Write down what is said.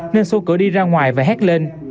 nên xô cửa đi ra ngoài và hét lên